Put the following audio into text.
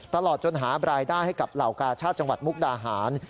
ตลอดจนหาบรายได้ให้กับเหล่ากาชาติจังหวัดมุกดาหาร